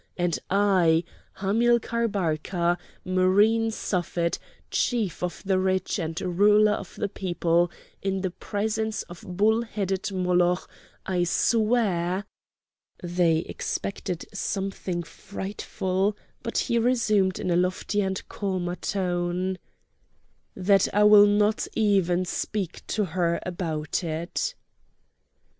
And I, Hamilcar Barca, marine Suffet, chief of the rich and ruler of the people, in the presence of bull headed Moloch, I swear"—they expected something frightful, but he resumed in a loftier and calmer tone—"that I will not even speak to her about it!"